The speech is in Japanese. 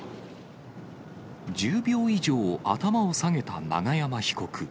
１０秒以上頭を下げた永山被告。